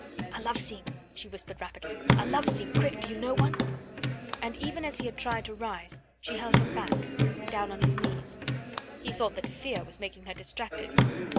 "A love scene," she whispered rapidly, "a love scene quick do you know one?" And even as he had tried to rise she held him back, down on his knees. He thought that fear was making her distracted.